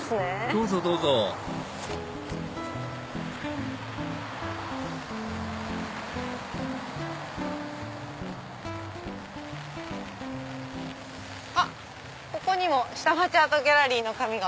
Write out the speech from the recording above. どうぞどうぞあっここにもシタマチアートギャラリーの紙が。